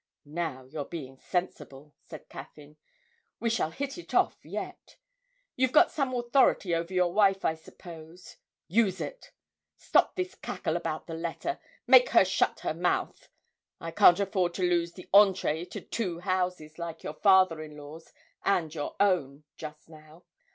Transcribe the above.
'Now you're getting sensible!' said Caffyn. 'We shall hit it off yet! You've got some authority over your wife, I suppose? Use it. Stop this cackle about the letter: make her shut her mouth; I can't afford to lose the entrée to two houses like your father in law's and your own, just now.